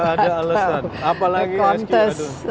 gak ada alasan apalagi kontes